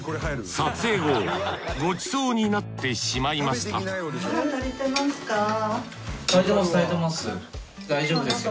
撮影後ごちそうになってしまいました大丈夫ですよ。